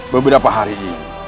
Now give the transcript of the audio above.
beberapa hari ini